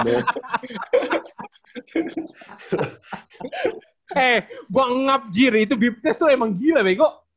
eh gua ngapjir itu blip test tuh emang gila beko